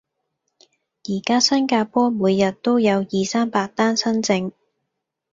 而家新加坡每日都有二、三百單新症